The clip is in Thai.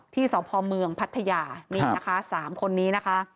สพเมืองพัทยานี่นะคะ๓คนนี้นะคะ